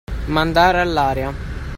Mandare all'aria.